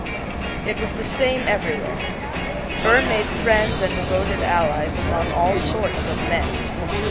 It was the same everywhere. Burr made friends and devoted allies among all sorts of men.